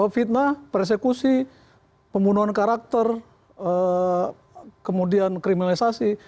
fitnah persekusi pembunuhan karakter kemudian kriminalisasi